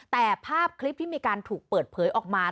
แต่ภาพคลิปที่มีการถูกเปิดเผยออกมา